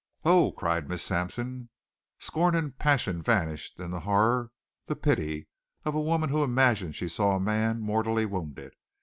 "Oh!" cried Miss Sampson. Scorn and passion vanished in the horror, the pity, of a woman who imagined she saw a man mortally wounded.